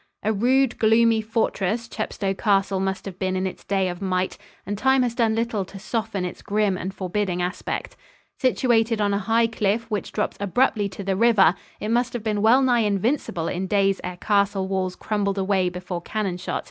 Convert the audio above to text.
A rude, gloomy fortress Chepstow Castle must have been in its day of might, and time has done little to soften its grim and forbidding aspect. Situated on a high cliff which drops abruptly to the river, it must have been well nigh invincible in days ere castle walls crumbled away before cannon shot.